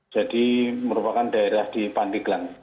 merupakan daerah di pandeglang